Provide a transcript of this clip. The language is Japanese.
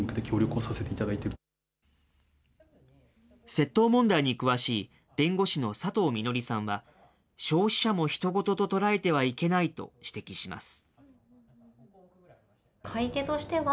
窃盗問題に詳しい弁護士の佐藤みのりさんは、消費者もひと事と捉えてはいけないと指摘します。